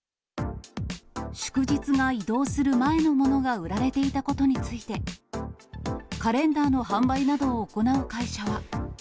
祝日が移動する前のものが売られていたことについて、カレンダーの販売などを行う会社は。